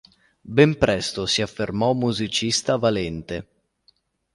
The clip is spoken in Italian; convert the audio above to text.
Ben presto si affermò musicista valente.